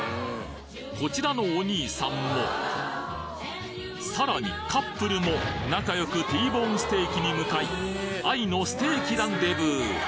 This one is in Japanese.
こちらのお兄さんもさらにカップルも仲良くＴボーンステーキに向かい愛のステーキランデブー